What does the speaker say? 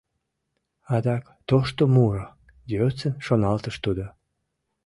«Адак тошто муро, — йӧсын шоналтыш тудо.